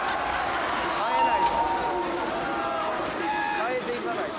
変えないと。